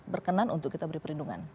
berkenan untuk kita beri perlindungan